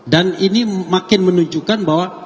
dan ini makin menunjukkan bahwa